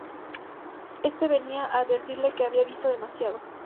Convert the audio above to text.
Este venía a advertirle que habían visto demasiado.